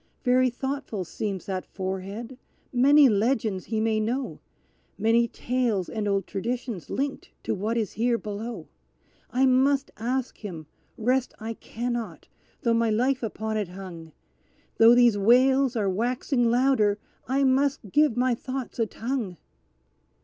Very thoughtful seems that forehead; many legends he may know; Many tales and old traditions linked to what is here below! I must ask him rest I cannot though my life upon it hung Though these wails are waxing louder, I must give my thoughts a tongue.